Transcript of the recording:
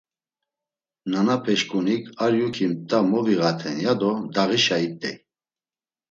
Nanapeşǩunik ar yuǩi mt̆a moviğaten, ya do dağişa it̆ey.